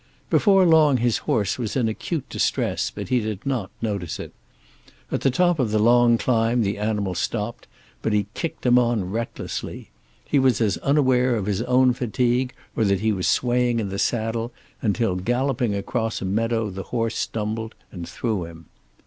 Before long his horse was in acute distress, but he did not notice it. At the top of the long climb the animal stopped, but he kicked him on recklessly. He was as unaware of his own fatigue, or that he was swaying in the saddle, until galloping across a meadow the horse stumbled and threw him.